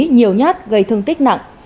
nhiều nhát gây thương tích nặng